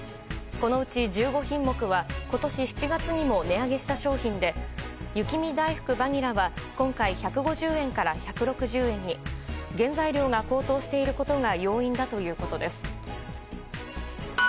このうち１５品目は今年７月にも値上げした商品で雪見だいふくバニラは今回、１５０円から１６０円に。原材料が高騰していることが要因だということです。